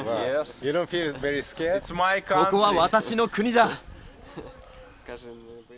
ここは私の国だ。